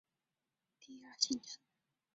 雄蝶有第二性征。